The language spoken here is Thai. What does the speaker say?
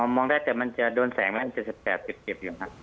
มองได้แต่มันจะโดนแสงแล้วมันจะแตกเจ็บอยู่ครับ